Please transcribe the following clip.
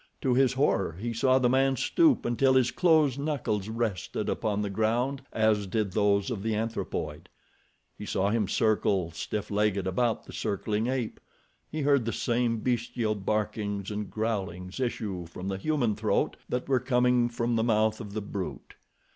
To his horror, he saw the man stoop until his closed knuckles rested upon the ground as did those of the anthropoid. He saw him circle, stiff legged about the circling ape. He heard the same bestial barkings and growlings issue from the human throat that were coming from the mouth of the brute.